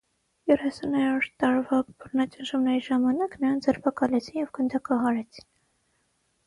Երեսուներորդ տարվա բռնաճնշումների ժամանակ նրան ձերբակալեցին և գնդակահարեցին։